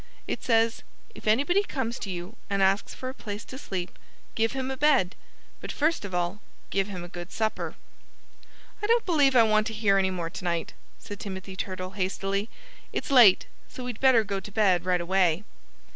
"It says: 'If anybody comes to you and asks for a place to sleep, give him a bed but first of all, give him a good supper.'" "I don't believe I want to hear any more to night," said Timothy Turtle hastily. "It's late; so we'd better go to bed right away."